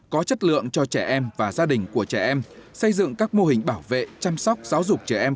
có chất lượng cho trẻ em và gia đình của trẻ em xây dựng các mô hình bảo vệ chăm sóc giáo dục trẻ em